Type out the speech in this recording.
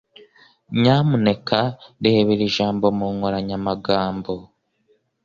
Nyamuneka reba iri jambo mu nkoranyamagambo.